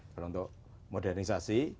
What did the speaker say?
kalau untuk modernisasi